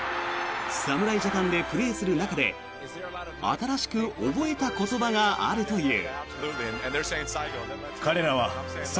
侍ジャパンでプレーする中で新しく覚えた言葉があるという。